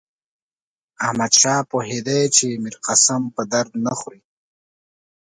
احمدشاه پوهېدی چې میرقاسم په درد نه خوري.